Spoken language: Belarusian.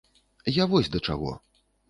Я вось да чаго.